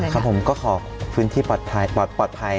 ครับผมก็ขอพื้นที่ปลอดภัย